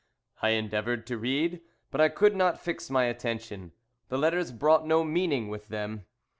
I endeavoured to read, but I could not fix my attention, the letters brought no meaning with them.